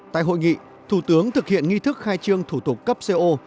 tại hội nghị thủ tướng thực hiện nghi thức khai trương thủ tục cấp co